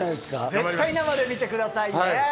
絶対生で見てくださいね。